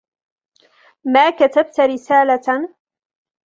ما كتبت رسالةً.